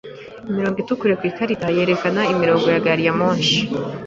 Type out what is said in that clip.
Imirongo itukura ku ikarita yerekana imirongo ya gari ya moshi.